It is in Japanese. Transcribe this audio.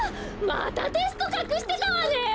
またテストかくしてたわね！